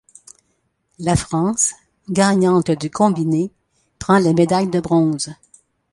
La France, gagnante du combiné, prend la médaille de bronze.